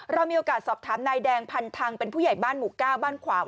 เรามีโอกาสสอบถามนายแดงพันธังเป็นผู้ใหญ่บ้านหมู่ก้าวบ้านขวาง